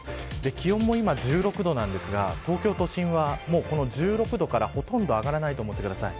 気温も今１６度なんですが東京都心は１６度からほとんど上がらないと思ってください。